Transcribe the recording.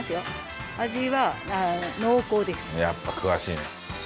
やっぱ詳しいね。